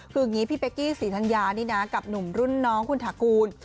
คืออย่างนี้พี่เป๊กกี้ศรีธัญญานี่นะกับหนุ่มรุ่นน้องคุณถากูล